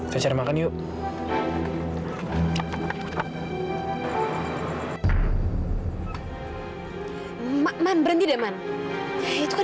saya cari makan yuk